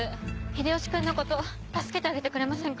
秀吉君のこと助けてあげてくれませんか？